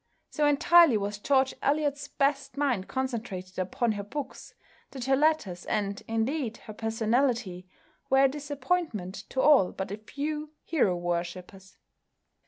So entirely was George Eliot's best mind concentrated upon her books that her letters, and indeed her personality, were a disappointment to all but a few hero worshippers.